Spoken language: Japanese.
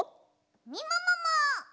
みももも！